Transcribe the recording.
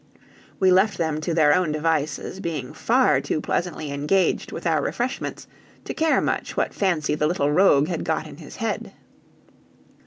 We left them to their own devices, being far too pleasantly engaged with our refreshments to care much what fancy the little rogue had got in his head.